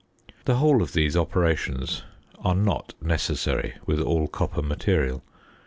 The whole of these operations are not necessary with all copper material.